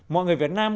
mọi người việt nam